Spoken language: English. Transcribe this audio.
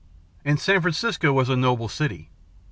And San Francisco was a noble city.